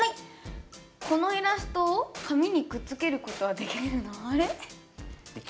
このイラストを紙にくっつけることはできるの？